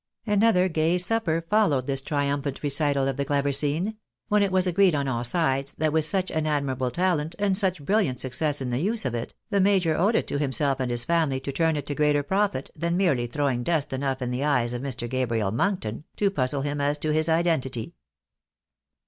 Another gay supper followed this triumphant recital of the clever scene ; when it was agreed on all sides, that with such an admirable talent, and such brilliant success in the use of it, the major owed it to himself and his family to turn it to greater profit than merely throwing dust enough in the eyes of Mr. Gabriel Monkton, to puzzle him as to his identity.